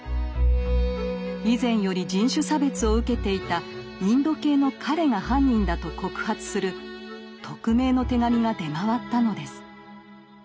以前より人種差別を受けていたインド系の彼が犯人だと告発する匿名の手紙が出回ったのです。